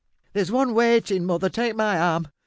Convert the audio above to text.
"There is one waiting, mother take my arm.